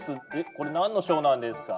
これなんの賞なんですか？